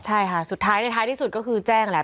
ใช่ค่ะสุดท้ายในท้ายที่สุดก็คือแจ้งแหละ